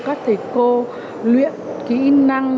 các thầy cô luyện kỹ năng